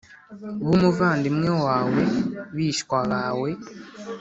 b'umuvandimwe wawe bishywa bawe,